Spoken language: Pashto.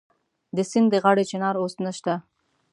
د سیند د غاړې چنار اوس نشته